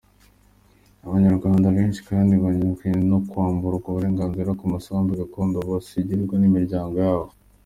Abanyarwanda benshi kandi bahangayikishijwe no kwamburwa uburenganzira ku masambu gakondo basigirwa n’imiryango yabo.